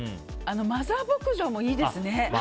マザー牧場もいいですね。